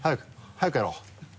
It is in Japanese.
早くやろう。